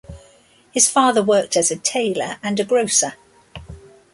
His father worked as a tailor and a grocer.